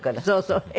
そうそう。